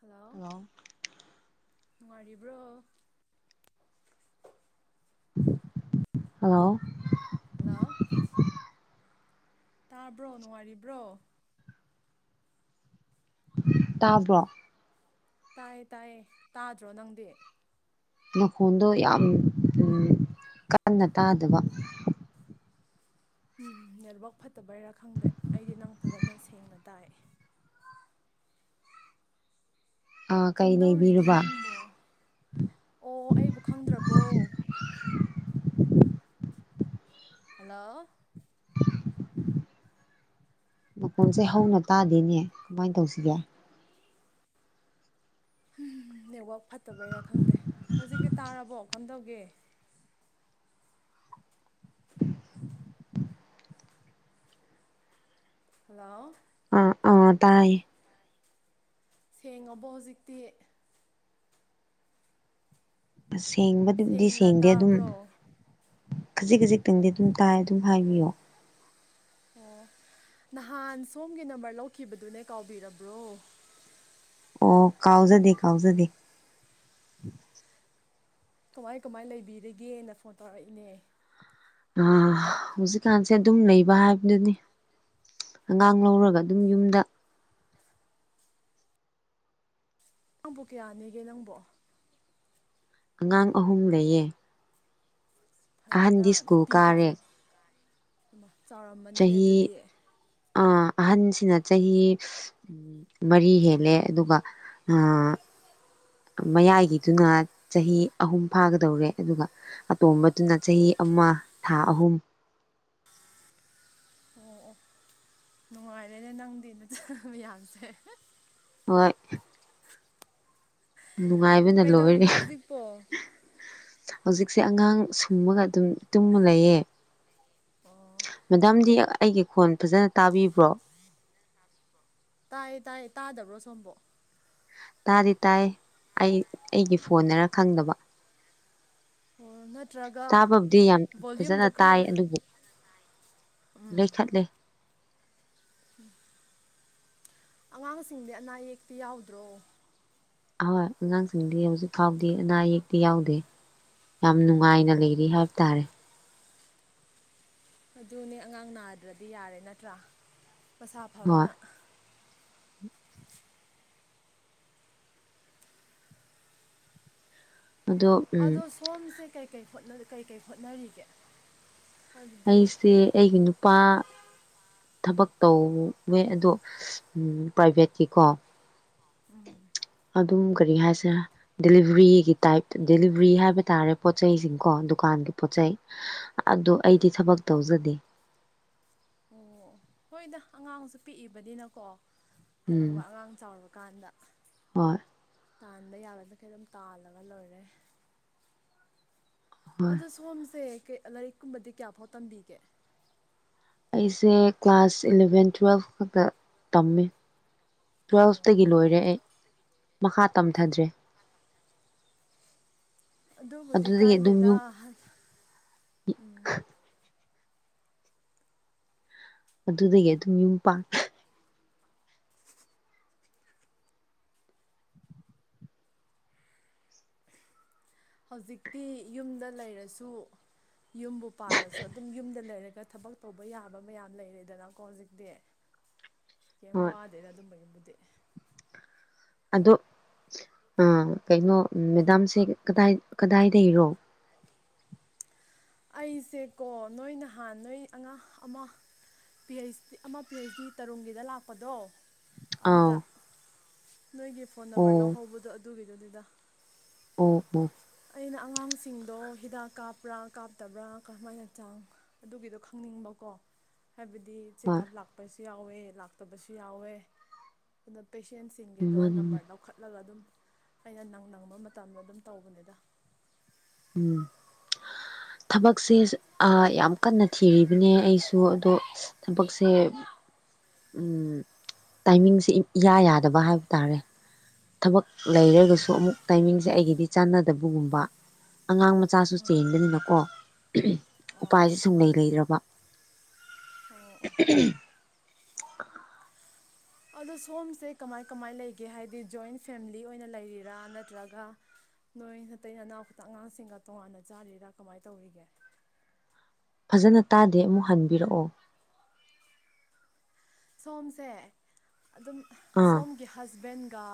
hello hello ꯅꯨꯡꯉꯥꯏꯔꯤꯕ꯭ꯔꯣ hello hello ꯇꯥꯕ꯭ꯔꯣ ꯅꯨꯡꯉꯔꯤꯕ꯭ꯔꯣ ꯇꯥꯕ꯭ꯔꯣ ꯇꯥꯏꯌꯦ ꯇꯥꯏꯌꯦ ꯇꯥꯗ꯭ꯔꯣ ꯅꯪꯗꯤ ꯃꯈꯣꯟꯗꯣ ꯌꯥꯝ ꯎꯝ ꯀꯟꯅ ꯇꯥꯗꯕ ꯎꯝ ꯅꯦꯠꯋꯥꯛ ꯐꯠꯇꯕꯩꯔꯥ ꯈꯪꯗꯦ ꯑꯩꯗꯤ ꯅꯪ ꯐꯖꯅ ꯁꯦꯡꯅ ꯇꯥꯛꯑꯦ ꯑꯥ ꯀꯩ ꯀꯝꯗꯧꯔꯤꯒꯦ ꯂꯩꯕꯤꯔꯕ ꯅꯪꯕꯣ ꯑꯣ ꯑꯩꯕꯨ ꯈꯪꯗ꯭ꯔꯕꯣ ꯍꯜꯂꯣ ꯃꯀꯣꯟꯁꯦ ꯍꯧꯅ ꯇꯥꯗꯦꯅꯦ ꯀꯃꯥꯏꯅ ꯇꯧꯁꯤꯒꯦ ꯅꯦꯠꯋꯥꯛ ꯐꯠꯇꯕꯩꯔꯥ ꯈꯪꯗꯦ ꯍꯧꯖꯤꯛꯛꯇꯤ ꯇꯥꯔꯕꯣ ꯀꯝꯗꯧ ꯒꯦ ꯍꯜꯂꯣ ꯑ ꯑ ꯇꯥꯏꯦ ꯁꯦꯡꯉꯕꯣ ꯍꯧꯖꯤꯛꯇꯤ ꯁ ꯁꯦꯡꯕꯗꯨꯕꯨꯗꯤ ꯁꯦꯡꯅ ꯁꯦꯡꯗꯦ ꯑꯗꯨꯝ ꯇꯥꯕ꯭ꯔꯣ ꯈꯖꯤꯛ ꯈꯖꯤꯛꯇꯪꯗꯤ ꯑꯗꯨꯝ ꯇꯥꯏ ꯑꯗꯨꯝ ꯍꯥꯏꯕꯤꯌꯣ ꯑꯣ ꯅꯍꯥꯟ ꯁꯣꯝꯒꯤ ꯅꯝꯕꯔ ꯂꯧꯈꯤꯕꯗꯨꯅꯦ ꯀꯥꯎꯕꯤꯔꯕ꯭ꯔꯣ ꯑꯣ ꯀꯥꯎꯖꯗꯦ ꯀꯥꯎꯖꯗꯦ ꯀꯃꯥꯏ ꯀꯃꯥꯏ ꯂꯩꯕꯤꯔꯤꯒꯦꯅ ꯐꯣꯟ ꯇꯧꯔꯛꯏꯅꯦ ꯍꯧꯖꯤꯛꯀꯥꯟꯁꯦ ꯑꯗꯨꯝ ꯂꯩꯕ ꯍꯥꯏꯕꯗꯨꯅꯤ ꯑꯉꯥꯡ ꯂꯧꯔꯒ ꯑꯗꯨꯝ ꯌꯨꯝꯗ ꯅꯪꯕꯨ ꯀꯌꯥꯅꯦꯒꯦ ꯅꯪꯕꯨ ꯑꯉꯥꯡ ꯑꯍꯨꯝ ꯂꯩꯌꯦ ꯐꯔꯦꯗ ꯑꯍꯟꯗꯤ ꯁ꯭ꯀꯨꯜ ꯅꯨꯄꯤ ꯀꯥꯔꯦ ꯀꯌꯥꯅꯣ ꯏꯃꯥ ꯆꯥꯎꯔꯝꯃꯥꯅꯤꯅꯦ ꯆꯍꯤ ꯑꯗꯨꯗꯤ ꯑꯥ ꯑꯍꯟꯁꯤꯅ ꯆꯍꯤ ꯃꯔꯤ ꯍꯦꯜꯂꯦ ꯑꯗꯨꯒ ꯑꯥ ꯃꯌꯥꯏꯒꯤꯗꯨꯅ ꯆꯍꯤ ꯑꯍꯨꯝ ꯐꯥꯒꯗꯧꯔꯦ ꯑꯗꯨꯒ ꯑꯇꯣꯝꯕꯗꯨꯅ ꯆꯍꯤ ꯑꯃ ꯊꯥ ꯑꯍꯨꯝ ꯑꯣ ꯑꯣ ꯅꯨꯡꯉꯥꯏꯔꯦꯅꯦ ꯅꯪꯗꯤ ꯅꯆꯥ ꯃꯌꯥꯝꯁꯦ ꯍꯣꯏ ꯅꯨꯡꯉꯥꯏꯕꯅ ꯂꯣꯏꯔꯦ ꯀꯩꯗꯧꯔꯤꯅꯣ ꯍꯧꯖꯤꯛꯄꯣ ꯍꯧꯖꯤꯛꯁꯦ ꯑꯉꯥꯡ ꯁꯨꯝꯃꯒꯥ ꯑꯗꯨꯝ ꯇꯨꯝꯃ ꯂꯩꯌꯦ ꯑꯣ ꯃꯦꯗꯥꯝꯗꯤ ꯑꯩꯒꯤ ꯈꯣꯟ ꯐꯖꯅ ꯇꯥꯕꯤꯕ꯭ꯔꯣ ꯇꯥꯏꯌꯦ ꯇꯥꯏꯌꯦ ꯇꯥꯗꯕ꯭ꯔꯣ ꯁꯣꯝꯕꯣ ꯇꯥꯗꯤ ꯇꯥꯏ ꯑꯩ ꯑꯩꯒꯤ ꯐꯣꯟꯅꯔꯥ ꯈꯪꯗꯕ ꯑꯣ ꯅꯠꯇ꯭ꯔꯒ ꯇꯥꯕꯕꯨꯗꯤ ꯌꯥꯝ ꯐꯖꯅ ꯚꯣꯂ꯭ꯌꯨꯝꯗꯣ ꯈꯔ ꯇꯥꯏ ꯂꯩ ꯑꯗꯨꯕꯨ ꯂꯩꯈꯠꯂꯦ ꯎꯝ [inaudible] ꯑꯉꯥꯡꯁꯤꯡꯗꯤ ꯑꯅꯥ ꯑꯌꯦꯛꯇꯤ ꯌꯥꯎꯗ꯭ꯔꯣ ꯑꯍꯣꯏ ꯑꯉꯥꯡꯁꯤꯡꯗꯤ ꯍꯧꯖꯤꯛ ꯐꯥꯎꯗꯤ ꯑꯅꯥ ꯑꯌꯦꯛꯇꯤ ꯌꯥꯎꯗꯦ ꯌꯥꯝ ꯅꯨꯡꯉꯥꯏꯅ ꯂꯩꯔꯤ ꯍꯥꯏꯕ ꯇꯥꯔꯦ ꯑꯗꯨꯅꯦ ꯑꯉꯥꯡ ꯅꯥꯗ꯭ꯔꯗꯤ ꯌꯥꯔꯦ ꯅꯠꯇ꯭ꯔꯥ ꯃꯁꯥ ꯍꯣꯏ ꯐꯕꯅ ꯑꯗꯣ ꯎꯝ ꯑꯗꯣ ꯁꯣꯝꯁꯦ ꯀꯩ ꯀꯔꯤ ꯀꯔꯤ ꯍꯣꯠꯅꯔꯤꯒꯦ ꯍꯥꯏꯕꯗꯤ ꯑꯩꯁꯦ ꯑꯩꯒꯤ ꯅꯨꯄꯥ ꯊꯕꯛ ꯇꯧꯋꯦ ꯑꯗꯣ ꯄ꯭ꯔꯥꯏꯚꯦꯠꯀꯤꯀꯣ ꯎꯝ [inaudible] ꯑꯗꯨꯝ ꯀꯔꯤ ꯍꯥꯏꯁꯦꯔꯦ ꯗꯦꯂꯤꯕ꯭ꯔꯤꯒꯤ ꯇꯥꯏꯞ ꯗꯦꯂꯤꯚ꯭ꯔꯤ ꯍꯥꯏꯕ ꯇꯥꯔꯦ ꯄꯣꯠꯆꯩꯁꯤꯡꯀꯣ ꯗꯨꯀꯥꯟꯒꯤ ꯄꯣꯠꯆꯩ ꯑꯗꯣ ꯑꯩꯗꯤ ꯊꯕꯛ ꯇꯧꯖꯗꯦ ꯑꯣ ꯍꯣꯏꯗ ꯑꯉꯥꯡꯁꯨ ꯄꯤꯛꯏꯕꯅꯤꯅꯀꯣ ꯎꯝ ꯍꯌꯦꯡꯋꯥꯏ ꯑꯉꯥꯡ ꯆꯥꯎꯔꯀꯥꯟꯗ ꯍꯣꯏ ꯇꯥꯟꯕ ꯌꯥꯕ ꯃꯈꯩ ꯑꯗꯨꯝ ꯇꯥꯜꯂꯒ ꯂꯣꯏꯔꯦ ꯑꯗꯣ ꯁꯣꯝꯁꯦ ꯂꯥꯏꯔꯤꯛ ꯀꯨꯝꯕꯗꯤ ꯀꯌꯥ ꯐꯥꯎ ꯇꯝꯕꯤꯒꯦ ꯑꯩꯁꯦ ꯀ꯭ꯂꯥꯁ ꯏꯂꯚꯦꯟ ꯇꯨꯋꯦꯜꯐ ꯈꯛꯇ ꯇꯝꯃꯦ ꯇꯨꯋꯦꯜꯐ ꯇꯒꯤ ꯂꯣꯏꯔꯦ ꯑꯩ ꯃꯈꯥ ꯇꯝꯊꯗ꯭ꯔꯦ ꯑꯗꯨꯕꯨꯗꯤ ꯑꯗꯨꯗꯒꯤ ꯑꯗꯨꯝ ꯀꯥꯏꯗꯦꯗ ꯌꯨꯝ ꯎꯝ ꯑꯗꯨꯗꯒꯤ ꯑꯗꯨꯝ ꯌꯨꯝ ꯄꯥꯟ ꯍꯧꯖꯤꯛꯇꯤ ꯌꯨꯝꯗ ꯂꯩꯔꯁꯨ ꯌꯨꯝꯕꯨ ꯄꯥꯜꯂꯁꯨ ꯑꯗꯨꯝ ꯌꯨꯝꯗ ꯂꯩꯔꯒ ꯊꯕꯛ ꯇꯧꯕ ꯌꯥꯕ ꯃꯌꯥꯝ ꯂꯩꯔꯦꯗꯅꯀꯣ ꯍꯧꯖꯤꯛꯇꯤ ꯀꯩꯝ ꯍꯣꯏ ꯋꯥꯗꯦꯗꯥ ꯑꯗꯨꯝꯕꯒꯤ [inaudible] ꯑꯗꯣ ꯑ ꯀꯩꯅꯣ ꯃꯦꯗꯥꯝꯁꯦ ꯀꯗꯥꯏ ꯀꯗꯥꯏꯗꯒꯤꯔꯣ ꯑꯩꯁꯦꯀꯣ ꯅꯣꯏ ꯅꯍꯥꯟ ꯅꯣꯏ ꯑꯉꯥꯡ ꯑꯃ ꯄꯤ ꯑꯩꯆꯗꯤ ꯑꯃ ꯄꯤ ꯑꯩꯆ ꯗꯤ ꯇꯔꯨꯨꯝꯒꯤꯗ ꯂꯥꯛꯄꯗꯣ ꯑꯥꯎ ꯑꯗꯨꯗ ꯅꯣꯏꯒꯤ ꯐꯣꯟ ꯅꯝꯕꯔ ꯑꯣ ꯂꯧꯍꯧꯕꯗꯣ ꯑꯗꯨ ꯑꯗꯨꯗꯨꯕꯤꯗꯨꯗꯨꯗ ꯑꯣ ꯑꯣ ꯑꯩꯅ ꯑꯉꯥꯡꯁꯤꯡꯗꯣ ꯍꯤꯗꯥꯛ ꯀꯥꯞꯄ꯭ꯔꯥ ꯀꯥꯞꯇꯕ꯭ꯔꯥ ꯀꯝꯍꯥꯏꯅ ꯆꯥꯡ ꯑꯗꯨꯒꯤꯗꯣ ꯈꯪꯅꯤꯡꯕꯀꯣ ꯍꯥꯏꯕꯗꯤ ꯍꯣꯏ ꯆꯦꯛꯑꯞ ꯂꯥꯛꯄꯁꯦ ꯌꯥꯎꯋꯦ ꯂꯥꯛꯇꯕꯁꯨ ꯌꯥꯎꯋꯦ ꯑꯗꯣ ꯄꯦꯁꯦꯟꯁꯤꯡꯒꯤꯗꯣ ꯃꯥꯅꯤꯅꯦ ꯅꯝꯕꯔ ꯂꯧꯈꯠꯂꯒ ꯑꯗꯨꯝ ꯑꯩꯅ ꯅꯪ ꯅꯕ ꯃꯇꯝꯗ ꯑꯗꯨꯝ ꯇꯧꯕꯅꯤꯗ ꯎꯝ ꯊꯕꯛꯁꯦ ꯌꯥꯝ ꯀꯟꯅ ꯊꯤꯔꯤꯕꯅꯦ ꯑꯩꯁꯨ ꯑꯗꯣ ꯊꯕꯛ ꯂꯩꯔꯒꯁꯨ ꯑꯃꯨꯛ ꯇꯥꯏꯃꯤꯡꯁꯦ ꯑꯩꯒꯤꯗꯤ ꯆꯥꯟꯅꯗꯕꯒꯨꯝꯕ ꯑꯉꯥꯡ ꯃꯆꯥꯁꯨ ꯆꯦꯟꯕꯅꯤꯅꯀꯣ ꯑꯣ ꯎꯄꯥꯏꯁꯦ ꯁꯨꯡꯂꯩ ꯂꯩꯗ꯭ꯔꯕ ꯑꯣ ꯑꯣ ꯑꯗꯣ ꯁꯣꯝꯁꯦ ꯀꯃꯥꯏ ꯀꯃꯥꯏ ꯂꯩꯒꯦ ꯍꯥꯏꯗꯤ ꯖꯣꯏꯟ ꯐꯦꯃꯤꯂꯤ ꯑꯣꯏꯅ ꯂꯩꯔꯤꯔꯥ ꯅꯠꯇ꯭ꯔꯒ ꯅꯣꯏ ꯅꯇꯩ ꯅꯅꯥꯎ ꯈꯛꯇ ꯑꯉꯥꯡꯁꯤꯡꯒ ꯇꯣꯉꯥꯟꯅ ꯆꯥꯔꯤꯔꯥ ꯀꯃꯥꯏꯅ ꯇꯧꯔꯤꯒꯦ ꯐꯖꯅ ꯇꯥꯗꯦ ꯑꯃꯨꯛ ꯍꯟꯕꯤꯔꯛꯑꯣ ꯁꯣꯝꯁꯦ ꯑꯗꯨꯝ ꯑꯥ ꯁꯣꯝꯒꯤ ꯍꯁꯕꯦꯟ ꯒ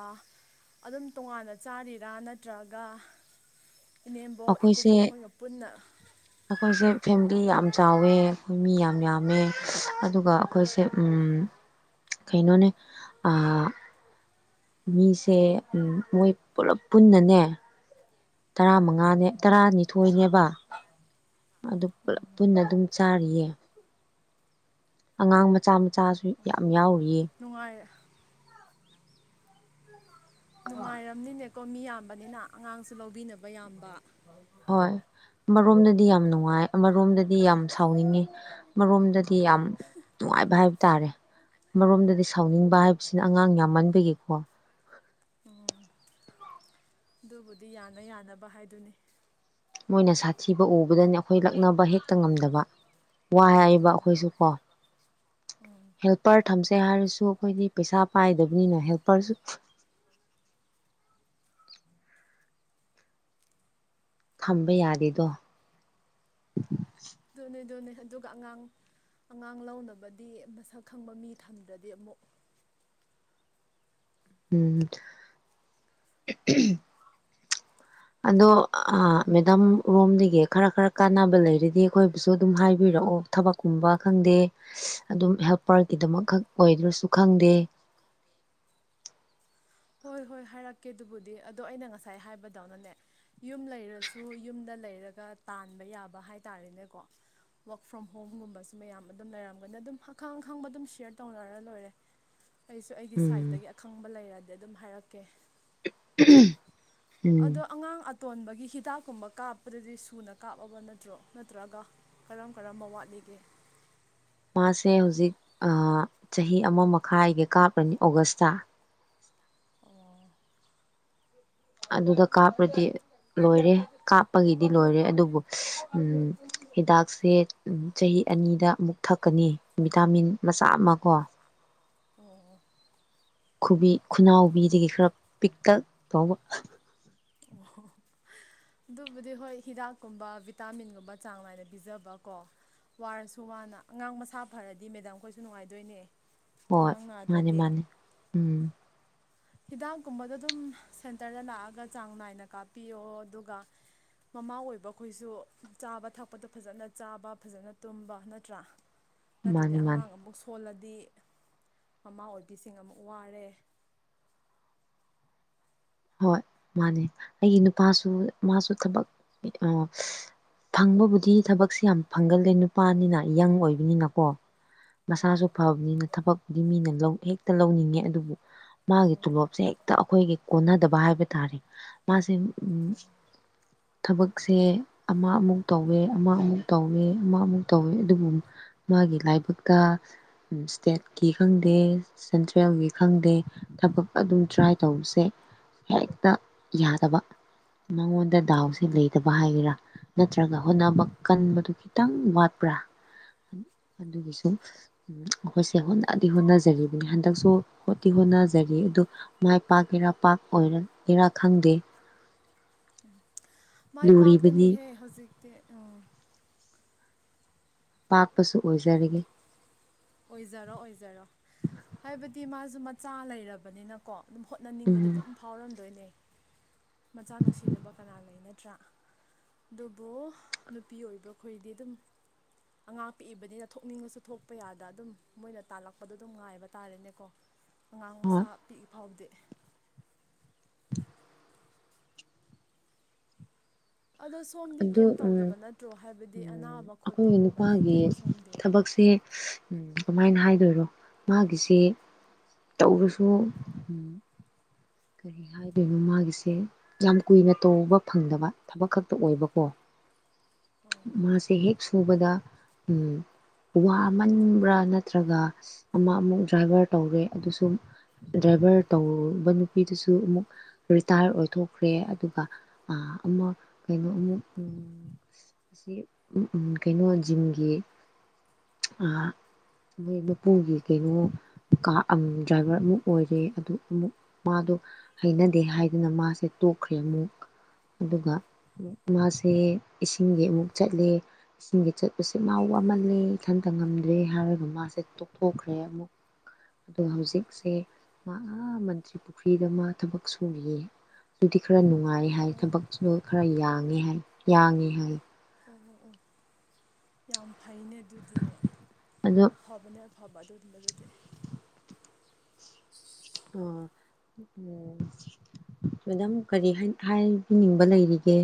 ꯑꯗꯨꯝ ꯇꯣꯉꯥꯟꯅ ꯆꯥꯔꯤꯔꯥ ꯅꯠꯇ꯭ꯔꯒ ꯏꯅꯦꯝꯕꯣꯛ ꯑꯩꯈꯣꯏꯁꯦ ꯏꯀꯨꯕꯣꯛ ꯈꯣꯏꯒ ꯄꯨꯟꯅ ꯑꯩꯈꯣꯏꯁꯦ ꯐꯦꯃꯤꯂꯤ ꯌꯥꯝ ꯆꯥꯎꯋꯦ ꯑꯩꯈꯣꯏ ꯃꯤ ꯌꯥꯝ ꯌꯥꯝꯃꯦ ꯑꯗꯨꯒ ꯑꯩꯈꯣꯏꯁꯦ ꯀꯩꯅꯣꯅꯦ ꯃꯤꯁꯦ ꯃꯣꯏ ꯄꯨꯂꯞ ꯄꯨꯟꯅꯅꯦ ꯇꯔꯥꯃꯉꯥꯅꯦ ꯇꯔꯥꯅꯤꯊꯣꯏꯅꯦꯕ ꯑꯗꯨ ꯄꯨꯂꯞ ꯄꯨꯟꯅ ꯑꯗꯨꯝ ꯆꯥꯔꯤꯌꯦ ꯑꯉꯥꯡ ꯃꯆꯥ ꯃꯆꯥꯁꯨ ꯌꯥꯝ ꯌꯥꯎꯋ ꯅꯨꯡꯉꯥꯏ ꯅꯨꯡꯉꯥꯏꯔꯝꯅꯤꯅꯦ ꯀꯣ ꯃꯤ ꯌꯥꯝꯕꯅꯤꯅ ꯑꯉꯥꯡ ꯍꯣꯏ ꯑꯃꯣꯝꯗꯗꯤ ꯌꯥꯝ ꯅꯨꯡꯉꯥꯏ ꯑꯃꯔꯣꯝꯗꯗꯤ ꯌꯥꯝ ꯁꯥꯎꯅꯤꯡꯉꯤ ꯑꯃꯔꯣꯝꯗꯗꯤ ꯌꯥꯝ ꯅꯨꯡꯉꯥꯏꯕ ꯍꯥꯏꯕ ꯇꯥꯔꯦ ꯑꯃꯔꯣꯝꯗꯗꯤ ꯁꯥꯎꯅꯤꯡꯕ ꯍꯥꯏꯕꯁꯤꯅ ꯑꯉꯥꯡ ꯌꯥꯝꯃꯟꯕꯤꯒꯤꯀꯣ ꯎꯝ ꯑꯗꯨꯕꯨꯗꯤ ꯌꯥꯅ ꯌꯥꯅꯕ ꯍꯥꯏꯗꯨꯅꯤ ꯃꯣꯏꯅ ꯁꯥꯊꯤꯕ ꯎꯕꯗꯅꯤ ꯑꯩꯈꯣꯏ ꯂꯛꯅꯕ ꯍꯦꯛꯇ ꯉꯝꯗꯕ ꯋꯥ ꯍꯥꯏꯕ ꯑꯩꯈꯣꯏꯁꯨ ꯀꯣ ꯍꯦꯜꯄꯔ ꯀꯩ ꯍꯥꯏꯔꯁꯨ ꯑꯩꯈꯣꯏꯗꯤ ꯄꯩꯁꯥ ꯄꯥꯏꯗꯕꯅꯤꯅ ꯍꯦꯜꯄꯔꯁꯨ ꯊꯝꯕ ꯌꯥꯗꯦꯗꯣ ꯑꯗꯨ ꯑꯗꯨꯅꯦ ꯑꯗꯨꯒ ꯑꯉꯥꯡ ꯑꯉꯥꯡ ꯂꯧꯅꯕꯗꯤ ꯃꯁꯛ ꯈꯪꯕ ꯃꯤ ꯊꯝꯗ꯭ꯔꯗꯤ ꯑꯃꯨꯛ ꯎꯝ ꯑꯗꯣ ꯃꯦꯗꯥꯝ ꯔꯣꯝꯗꯒꯤ ꯈꯔ ꯈꯔ ꯀꯥꯟꯅꯕ ꯂꯩꯔꯗꯤ ꯑꯩꯈꯣꯏꯕꯨꯁꯨ ꯑꯗꯨꯝ ꯍꯥꯏꯕꯤꯔꯛꯑꯣ ꯊꯕꯛꯀꯨꯝꯕ ꯈꯪꯗꯦ ꯑꯗꯨꯝ ꯍꯦꯜꯄꯔꯒꯤꯗꯃꯛꯛ ꯑꯣꯏꯗ꯭ꯔꯁꯨ ꯈꯪꯗꯦ ꯍꯣꯏ ꯍꯣꯏ ꯍꯥꯏꯔꯛꯀꯦ ꯑꯗꯨꯕꯨꯗꯤ ꯑꯗꯣ ꯑꯩꯅ ꯉꯁꯥꯏ ꯍꯥꯏꯕꯗꯧꯅꯅꯦ ꯌꯨꯝ ꯂꯩꯔꯁꯨ ꯌꯨꯝꯗ ꯂꯩꯔꯒ ꯇꯥꯟꯕ ꯌꯥꯕ ꯍꯥꯏ ꯇꯥꯔꯦꯅꯦꯀꯣ ꯋꯔꯛ ꯐ꯭ꯔꯣꯝ ꯍꯣꯝꯒꯨꯝꯕꯁꯨ ꯃꯌꯥꯝ ꯑꯗꯨꯝ ꯂꯩꯔꯝꯒꯅꯤ ꯑꯗꯨꯝ ꯑꯈꯪ ꯑꯈꯪꯕ ꯑꯗꯨꯝ ꯁꯌꯔ ꯇꯧꯅꯔ ꯂꯣꯏꯔꯦ ꯑꯩꯁꯨ ꯑꯩꯒꯤ ꯎꯝ ꯁꯥꯏꯠꯇꯒꯤ ꯑꯈꯪꯕ ꯂꯩꯔꯗꯤ ꯑꯗꯨ ꯑꯗꯨꯝ ꯍꯥꯏꯔꯛꯀꯦ [inaudible] ꯎꯝ ꯑꯗꯣ ꯑꯉꯥꯡ ꯇꯣꯟꯕꯒꯤ ꯍꯤꯗꯥꯛꯀꯨꯝꯕ ꯀꯥꯞꯄꯗꯗꯤ ꯁꯨꯅ ꯀꯥꯞꯑꯕ ꯅꯠꯇ꯭ꯔꯣ ꯅꯠꯇ꯭ꯔꯒ ꯀꯔꯝ ꯀꯔꯝꯕ ꯋꯥꯠꯂꯤꯒꯦ ꯃꯥꯁꯦ ꯍꯧꯖꯤꯛ ꯆꯍꯤ ꯑꯃ ꯃꯈꯥꯏꯒꯤ ꯀꯥꯞꯂꯅꯤ ꯑꯣꯒꯁꯇ ꯑꯣ ꯑꯗꯨꯗ ꯀꯥꯞꯄꯗꯤ ꯂꯣꯏꯔꯦ ꯀꯥꯞꯄꯒꯤꯗꯤ ꯂꯣꯏꯔꯦ ꯑꯗꯨꯕꯨ ꯍꯤꯗꯥꯛꯁꯦ ꯆꯍꯤ ꯑꯅꯤꯗ ꯑꯃꯨꯛ ꯊꯛꯀꯅꯤ ꯚꯤꯇꯥꯃꯤꯟ ꯃꯆꯥ ꯑꯃ ꯀꯣ ꯑꯣ ꯈꯨꯕꯤ ꯈꯨꯅꯥꯎꯕꯤꯗꯒꯤ ꯈꯔ ꯄꯤꯛꯇꯛ ꯇꯧꯕ ꯑꯗꯨꯕꯨꯗꯤ ꯍꯣꯏ ꯍꯤꯗꯥꯛꯀꯨꯝꯕ ꯚꯤꯇꯥꯃꯤꯟꯒꯨꯝꯕ ꯆꯥꯡ ꯅꯥꯏꯅ ꯄꯤꯖꯕꯀꯣ ꯋꯥꯔꯁꯨ ꯋꯥꯅ ꯑꯉꯥꯡ ꯃꯁꯥ ꯐꯔꯗꯤ ꯃꯦꯗꯥꯝꯈꯣꯏꯁꯨ ꯅꯨꯡꯉꯥꯏꯗꯣꯏꯅꯦ ꯍꯣꯏ ꯑꯉꯥꯡ ꯃꯥꯅꯤ ꯅꯥꯗ꯭ꯔꯗꯤ ꯃꯥꯅꯤ ꯎꯝ ꯍꯤꯗꯥꯛꯀꯨꯝꯕꯗ ꯑꯗꯨꯝ ꯁꯦꯟꯇꯔꯗ ꯂꯥꯛꯑꯒ ꯆꯥꯡ ꯅꯥꯏꯅ ꯀꯥꯞꯄꯤꯌꯣ ꯑꯗꯨꯒ ꯃꯃꯥ ꯑꯣꯏꯕ ꯑꯩꯈꯣꯏꯁꯨ ꯆꯥꯕ ꯊꯛꯄꯗꯣ ꯐꯖꯅ ꯆꯥꯕ ꯐꯖꯅ ꯇꯨꯝꯕ ꯅꯠꯇ꯭ꯔꯥ ꯅꯠꯇ꯭ꯔꯗꯤ ꯃꯥꯅꯤ ꯃꯥꯅꯤ ꯑꯉꯥꯡ ꯑꯃꯨꯛ ꯁꯣꯜꯂꯗꯤ ꯗꯤ ꯃꯃꯥ ꯑꯣꯏꯕꯤꯁꯤꯡ ꯑꯃꯨꯛ ꯋꯥꯔꯦ ꯍꯣꯏ ꯃꯥꯅꯦ ꯑꯩꯒꯤ ꯅꯨꯄꯥꯁꯨ ꯃꯥꯁꯨ ꯊꯕꯛ ꯐꯪꯕꯕꯨꯗꯤ ꯊꯕꯛꯁꯦ ꯌꯥꯝ ꯐꯪꯒꯜꯂꯦ ꯅꯨꯄꯥꯅꯤꯅ ꯌꯪ ꯑꯣꯏꯕꯅꯤꯅꯀꯣ ꯑꯣ ꯃꯁꯥꯁꯨ ꯐꯕꯅꯤꯅ ꯊꯕꯛ ꯍꯥꯏꯗꯤ ꯃꯤꯅ ꯂꯧ ꯍꯦꯛꯇ ꯂꯧꯅꯤꯡꯉꯦ ꯑꯗꯨꯕꯨ ꯃꯥꯒꯤ ꯑꯣ ꯇꯣꯂꯣꯞꯁꯦ ꯍꯦꯛꯇ ꯑꯩꯈꯣꯏꯒꯤ ꯀꯣꯟꯅꯗꯕ ꯍꯥꯏꯕ ꯇꯥꯔꯦ ꯃꯥꯁ ꯑꯣ ꯎꯝ ꯑꯣ ꯊꯕꯛꯁꯦ ꯑꯃ ꯑꯃꯨꯛ ꯇꯧꯋꯦ ꯑꯃ ꯑꯃꯨꯛ ꯇꯧꯋꯦ ꯑꯃ ꯑꯃꯨꯛ ꯇꯧꯋꯦ ꯑꯗꯨꯕꯨ ꯃꯥꯒꯤ ꯂꯥꯏꯕꯛꯇ ꯏꯁꯇꯦꯠꯀꯤ ꯈꯪꯗꯦ ꯁꯦꯟꯇ꯭ꯔꯦꯜꯒꯤ ꯈꯪꯗꯦ ꯊꯕꯛ ꯑꯗꯨꯝ ꯇ꯭ꯔꯥꯏ ꯇꯧꯕꯁꯦ ꯍꯦꯛꯇ ꯌꯥꯗꯕ ꯃꯉꯣꯟ ꯗ ꯗꯥꯎꯁꯦ ꯂꯩꯇꯕ ꯍꯥꯏꯒꯦꯔꯥ ꯅꯠꯇ꯭ꯔꯒ ꯍꯣꯠꯅꯕ ꯀꯟꯕꯗꯨ ꯈꯤꯇꯪ ꯋꯥꯠꯄ꯭ꯔꯥ ꯑꯗꯨꯒꯤꯁꯨ ꯎ ꯑꯩꯈꯣꯏꯁꯦ ꯍꯣꯠꯅꯗꯤ ꯍꯣꯠꯅꯖꯔꯤꯕꯅꯤ ꯍꯟꯗꯛꯁꯨ ꯍꯤ ꯍꯣꯠꯅꯖꯔꯤ ꯑꯗꯨ ꯃꯥꯏ ꯄꯥꯛꯀꯦꯔꯥ ꯄꯥꯛ ꯑꯣꯏꯔ ꯏꯔꯥ ꯈꯪꯗꯦ ꯃꯥꯏ ꯂꯨꯔꯤꯕꯗꯤ ꯄꯥꯛꯀꯅꯤꯍꯦ ꯍꯧꯖꯤꯛꯇꯤ ꯎ ꯄꯥꯛꯄꯁꯨ ꯑꯣꯏꯖꯔꯒꯦ ꯑꯣꯏꯖꯔꯣ ꯑꯣꯏꯖꯔꯣ ꯍꯥꯏꯕꯗꯤ ꯃꯥꯁꯨ ꯃꯆꯥ ꯂꯩꯔꯕꯅꯤꯅꯀꯣ ꯑꯗꯨꯝ ꯍꯣꯠꯅꯅꯤꯡꯕꯗ ꯎꯝ ꯑꯗꯨꯝ ꯐꯥꯎꯔꯝꯗꯣꯏꯅꯦ ꯃꯆꯥ ꯅꯨꯡꯁꯤꯗꯕ ꯀꯅꯥ ꯂꯩ ꯅꯠꯇ꯭ꯔꯥ ꯑꯗꯨꯕꯨ ꯅꯨꯄꯤ ꯑꯣꯏꯕꯈꯣꯏꯗꯤ ꯑꯗꯨꯝ ꯑꯉꯥꯛ ꯄꯤꯛꯏꯕꯅꯤꯅ ꯊꯣꯛꯅꯤꯡꯉꯁꯨ ꯊꯣꯛꯄ ꯌꯥꯗꯦ ꯑ ꯗ ꯑꯗꯨꯝ ꯃꯣꯏꯅ ꯇꯥꯜꯂꯛꯄꯗꯣ ꯑꯗꯨꯝ ꯉꯥꯏꯕ ꯇꯥꯔꯦꯅꯦꯀꯣ ꯑꯉꯥꯡ ꯃꯁꯥ ꯄꯤꯛꯏ ꯐꯥꯎꯕꯗꯤ ꯑꯗꯣ ꯁꯣꯝꯗꯤ ꯑꯗꯨ ꯀꯩꯝ ꯎ ꯇꯧꯗꯕ ꯅꯠꯇ꯭ꯔꯣ ꯍꯥꯏꯕꯗꯤ ꯑꯅꯥꯕ ꯑꯩꯈꯣꯏꯒꯤ ꯈꯣꯠꯄꯒꯨꯝꯕ ꯅꯨꯄꯥꯒꯤ ꯂꯩꯇꯦꯀꯣ ꯁꯣꯝꯗꯤ ꯊꯕꯛꯁꯦ ꯀꯃꯥꯏꯅ ꯍꯥꯏꯗꯣꯏꯔꯣ ꯃꯥꯒꯤꯁꯤ ꯇꯧꯔꯁꯨ ꯎ ꯀꯔꯤ ꯍꯥꯏꯗꯣꯏꯅꯣ ꯃꯥꯒꯤꯁꯦ ꯌꯥꯝ ꯀꯨꯏꯅ ꯇꯧꯕ ꯐꯪꯗꯕ ꯊꯕꯛ ꯈꯛꯇ ꯑꯣꯏꯕꯀꯣ ꯑꯣ ꯃꯥꯁꯦ ꯍꯦꯛ ꯁꯨꯕꯗ ꯎ ꯋꯥꯃꯟꯕ꯭ꯔꯥ ꯅꯠꯇ꯭ꯔꯒ ꯑꯃꯨꯛ ꯑꯃꯨꯛ ꯗ꯭ꯔꯥꯏꯚꯔ ꯇꯧꯔꯦ ꯑꯗꯨꯁꯨ ꯗ꯭ꯔꯥꯏꯚꯔ ꯇꯧꯕ ꯅꯨ ꯅꯨꯄꯤꯗꯨꯁꯨ ꯑꯃꯨꯛ ꯔꯤꯇꯥꯌꯔ ꯑꯣꯏꯊꯣꯛꯈ꯭ꯔꯦ ꯑꯗꯨꯒ ꯑꯃ ꯀꯩꯅꯣ ꯑꯃꯨꯛ ꯎ ꯑꯁꯤ ꯀꯩꯅꯣ ꯖꯤꯝꯒꯤ ꯃꯣꯏ ꯃꯄꯨꯒꯤ ꯀꯩꯅꯣ ꯗ꯭ꯔꯥꯏꯚꯔ ꯑꯃꯨꯛ ꯑꯣꯏꯔꯦ ꯑꯗꯨ ꯑꯃꯨꯛ ꯃꯥꯗꯣ ꯍꯩꯅꯗꯦ ꯍꯥꯏꯗꯅ ꯃꯥꯁꯦ ꯇꯣꯛꯈ꯭ꯔꯦ ꯑꯃꯨꯛ ꯑꯗꯨꯒ ꯃꯥꯁꯦ ꯏꯁꯤꯡꯒꯤ ꯑꯃꯨꯛ ꯆꯠꯂ ꯏꯁꯤꯡꯒꯤ ꯆꯠꯄꯁꯦ ꯃꯥ ꯋꯥꯃꯜꯂꯦ ꯏꯊꯟꯇ ꯉꯝꯗ꯭ꯔꯦ ꯍꯥꯏꯔꯒ ꯃꯥꯁꯦ ꯇꯣꯛꯊꯣꯛꯈ꯭ꯔꯦ ꯑꯃꯨꯛ ꯑ ꯍꯧꯖꯤꯛꯁꯦ ꯃꯥ ꯑ ꯇ꯭ꯔꯤ ꯄꯨꯈ꯭ꯔꯤꯗ ꯃꯥ ꯊꯕꯛ ꯁꯨꯔꯤꯌꯦ ꯑꯗꯨꯗꯤ ꯈꯔ ꯅꯨꯡꯉꯥꯏ ꯑꯣ ꯍꯥꯏ ꯑꯣ ꯊꯕꯛꯇꯨꯗꯣ ꯈꯔ ꯌꯥꯏ ꯦ ꯍꯥꯏ ꯌꯥꯒꯦ ꯍꯥꯏ ꯑꯣ ꯑꯣ ꯑꯣ ꯌꯥꯝ ꯐꯩꯅ ꯑꯗꯨꯗꯤ ꯑꯗꯣ ꯑꯐꯕꯅ ꯍꯕ ꯑꯗꯨ ꯑꯗꯨꯝꯕ ꯑꯗꯨꯗꯤ ꯑꯣ ꯃꯦꯗꯥꯝ ꯀꯔꯤ ꯍꯥꯏꯕꯤꯅꯤꯡꯕ ꯂꯩꯔꯤꯒꯦ